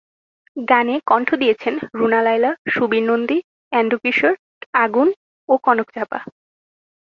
গানে কণ্ঠ দিয়েছেন রুনা লায়লা, সুবীর নন্দী, এন্ড্রু কিশোর, আগুন ও কনক চাঁপা।